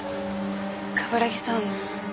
冠城さん。